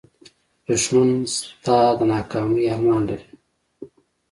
دښمن ستا د ناکامۍ ارمان لري